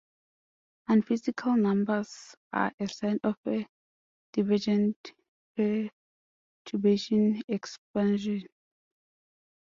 Unphysical numbers are a sign of a divergent perturbation expansion.